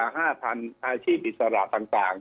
อาชีพอิสระต่าง